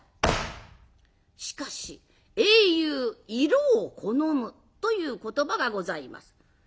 しかし「英雄色を好む」という言葉がございます。